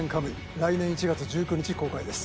来年１月１９日公開です。